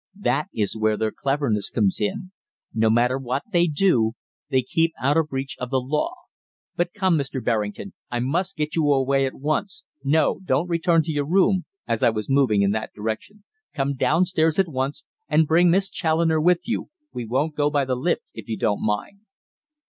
That is where their cleverness comes in no matter what they do, they keep out of reach of the law. But come, Mr. Berrington, I must get you away at once no, don't return to your room," as I was moving in that direction, "Come downstairs at once, and bring Miss Challoner with you we won't go by the lift, if you don't mind."